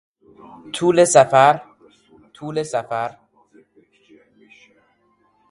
طول سفر